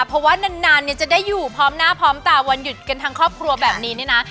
เพราะว่านานเนี่ยจะได้อยู่พร้อมหน้าพร้อมตาวันหยุดกันทั้งครอบครัวแบบนี้เนี่ยนะ